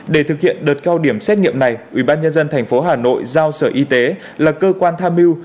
để thực hiện đợt cao điểm xét nghiệm này ubnd tp hà nội giao sở y tế là cơ quan tham mưu